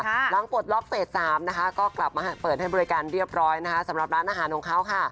หลังปลดล็อกเฟส๓นะคะก็กลับมาเปิดให้บริการเรียบร้อยนะคะสำหรับร้านอาหารของเขาค่ะ